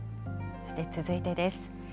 さて続いてです。